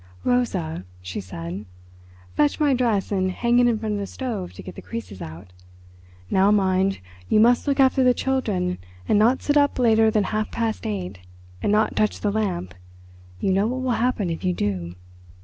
"Rosa," she said, "fetch my dress and hang it in front of the stove to get the creases out. Now, mind, you must look after the children and not sit up later than half past eight, and not touch the lamp—you know what will happen if you do."